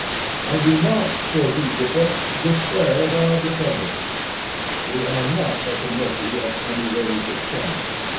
I do not for these defects despair of our republic. We are not at the mercy of any waves of chance.